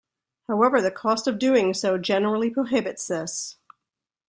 However, the cost of doing so generally prohibits this.